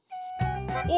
・お！